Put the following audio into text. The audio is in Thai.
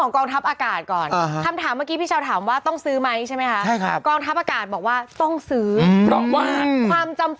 ใช่เพราะว่าต้องซื้อไหมอ่ะ